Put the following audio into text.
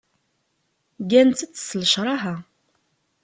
Gant-t s lecraha.